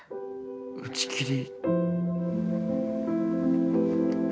打ち切り。